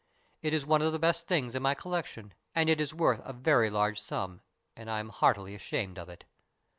It is one of the best things in my collection and it is worth a very large sum, and I am heartily ashamed of it."